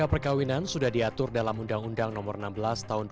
pemimpinan yang sedang mendidikan itu orang tua yang neredah